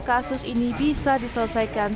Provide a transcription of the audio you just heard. kasus ini bisa diselesaikan